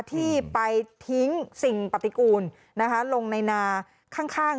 ที่ไปทิ้งสิ่งปฏิกูลลงในนาข้าง